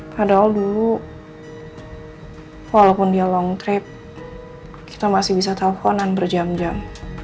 padahal dulu walaupun dia long trip kita masih bisa telfonan berjam jam